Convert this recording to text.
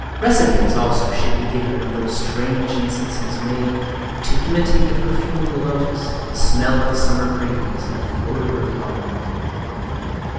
Recipes also should be given of those strange incenses made "to imitate the perfume of the lotos, the smell of the summer breeze, and the odor of the autumn wind."